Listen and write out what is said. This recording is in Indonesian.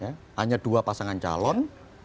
hanya dua pasangan calon